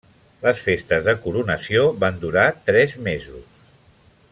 Les festes de coronació van durar tres mesos.